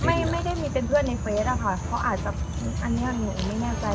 ไม่ได้มีเป็นเพื่อนในเฟสอะค่ะเขาอาจจะอันนี้หนูไม่แน่ใจ